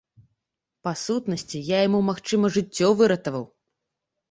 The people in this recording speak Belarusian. Па сутнасці, я яму, магчыма, жыццё выратаваў.